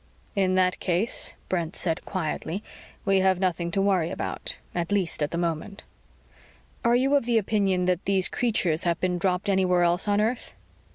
"In that case," Brent said quietly, "we have nothing to worry about. At least, at the moment." "Are you of the opinion that these creatures have been dropped anywhere else on earth?"